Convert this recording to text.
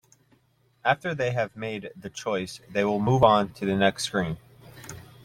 After they have made the choice, they will move on to the next screen.